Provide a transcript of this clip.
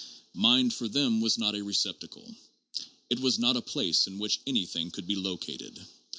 Mind for them was not a receptacle: it was not a place in which anything could be located.